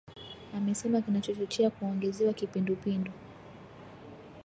amesema kinachochochea kuongezewa kipindupindu